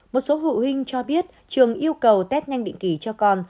một số phụ huynh cho biết trường yêu cầu test nhanh định kỳ cho con